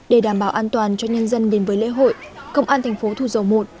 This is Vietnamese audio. để đảm bảo an toàn cho nhân dân đến với lễ hội công an thành phố thủ dầu một